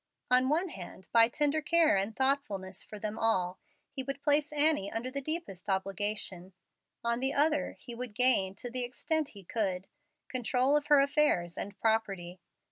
On one hand, by tender care and thoughtfulness for them all, he would place Annie under the deepest obligation; on the other, he would gain, to the extent he could, control of her affairs and property.